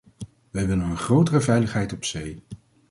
Wij willen een grotere veiligheid op zee.